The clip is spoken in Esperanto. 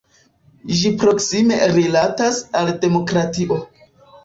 Ĝi proksime rilatas al demokratio.